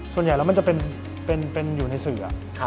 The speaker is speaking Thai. ส่วนใหญ่แล้วมันจะเป็นอยู่ในสื่อ